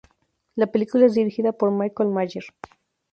La película es dirigida por Michael Mayer.